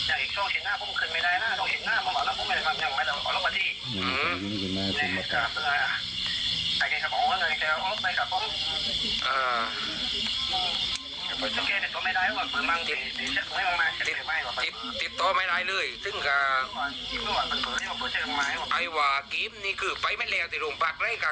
อ่าติดต่อไม่ได้เลยซึ่งค่ะไอ้ว่ากิ๊บนี้คือไปไม่แล้วที่รุงปากเลยค่ะ